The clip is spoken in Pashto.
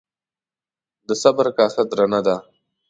د صبر کاسه درنه ده.